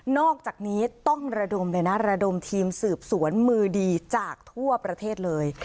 อกจากนี้ต้องระดมเลยนะระดมทีมสืบสวนมือดีจากทั่วประเทศเลย